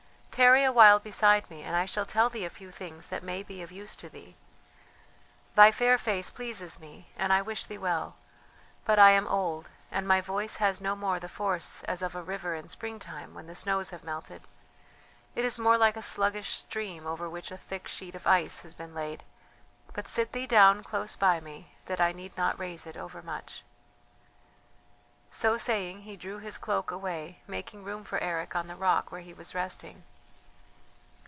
"Tarry awhile beside me and I shall tell thee a few things that may be of use to thee. Thy fair face pleases me, and I wish thee well. But I am old, and my voice has no more the force as of a river in spring time when the snows have melted; it is more like a sluggish stream over which a thick sheet of ice has been laid. But sit thee down close by me that I need not raise it overmuch." So saying he drew his cloak away, making room for Eric on the rock where he was resting.